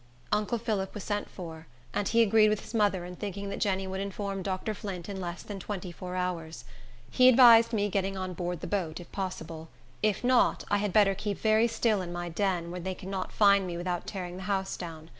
Uncle Phillip was sent for, and he agreed with his mother in thinking that Jenny would inform Dr. Flint in less than twenty four hours. He advised getting me on board the boat, if possible; if not, I had better keep very still in my den, where they could not find me without tearing the house down.